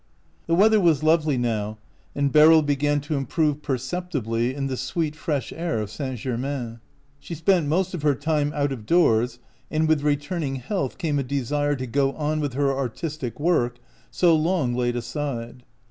The weather was lovely now, and Beryl began to improve perceptibly in the sweet, fresh air of St. Germain. She spent most 217 OUT OF BOHEMIA of her time out of doors, and with returning health came a desire to go on with her artis tic work, so long laid aside.